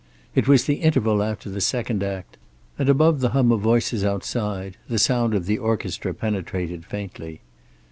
It was the interval after the second act, and above the hum of voices outside the sound of the orchestra penetrated faintly.